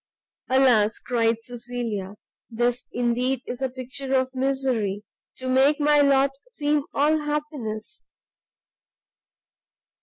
"Alas," cried Cecilia, "this indeed is a Picture of Misery to make my lot seem all happiness!"